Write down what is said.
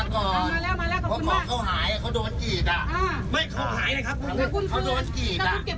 ทำไมอ่ะพี่